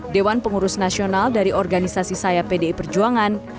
dewan pengurus nasional dari organisasi sayap pdi perjuangan